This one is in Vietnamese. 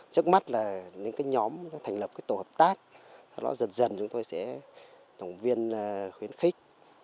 trước mắt là những cái nhóm thành lập cái tổ hợp tác sau đó dần dần chúng tôi sẽ động viên khuyến khích